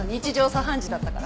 茶飯事だったから。